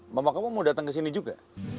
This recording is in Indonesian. mama kamu mau datang ke sini juga